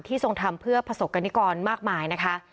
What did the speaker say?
ทรงทำเพื่อประสบกรณิกรมากมายนะคะ